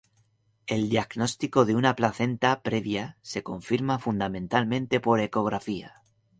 El diagnóstico de una placenta previa se confirma fundamentalmente por ecografía.